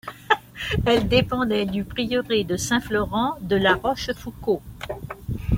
Elle dépendait du prieuré de Saint-Florent de La Rochefoucauld.